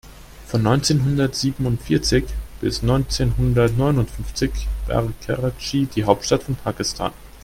Von neunzehnhundertsiebenundvierzig bis neunzehnhundertneunundfünfzig war Karatschi die Hauptstadt von Pakistan.